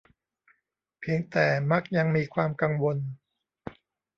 เพียงแต่มักยังมีความกังวล